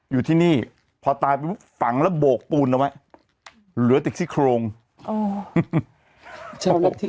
อยู่ที่นี่พอตายไปฝังแล้วโบกปูนเอาไว้เหลือติดซี่โครงที่